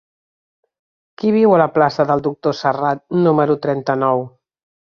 Qui viu a la plaça del Doctor Serrat número trenta-nou?